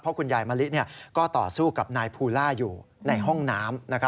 คุณยายมะลิก็ต่อสู้กับนายภูล่าอยู่ในห้องน้ำ